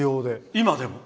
今でも。